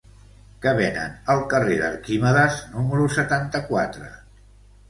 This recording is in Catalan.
Què venen al carrer d'Arquímedes número setanta-quatre?